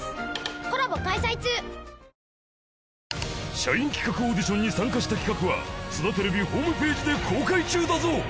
社員企画オーディションに参加した企画は「そだてれび」ホームページで公開中だぞ！